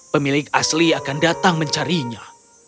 pemilik asli akan datang mencarinya